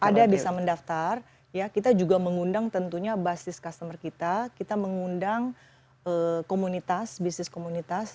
ada bisa mendaftar ya kita juga mengundang tentunya basis customer kita kita mengundang komunitas bisnis komunitas